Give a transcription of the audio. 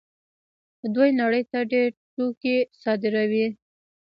دوی نړۍ ته ډېر توکي صادروي.